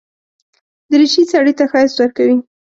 دریشي سړي ته ښايست ورکوي.